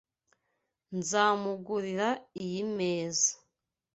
Nzamugurira iyi meza.